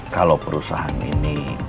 kalau perusahaan ini